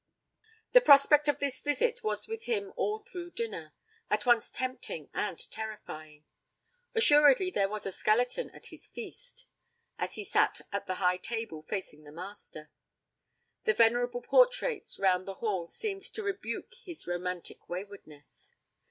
The prospect of this visit was with him all through dinner, at once tempting and terrifying. Assuredly there was a skeleton at his feast, as he sat at the high table, facing the Master. The venerable portraits round the Hall seemed to rebuke his romantic waywardness.